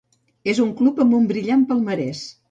És un club amb un brillant palmarès.